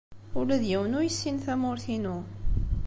Ula d yiwen ur yessin tamurt-inu.